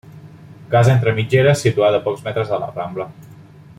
Casa entre mitgeres, situada a pocs metres de la Rambla.